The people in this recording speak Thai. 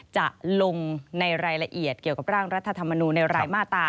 จะลงในรายละเอียดเกี่ยวกับร่างรัฐธรรมนูลในรายมาตรา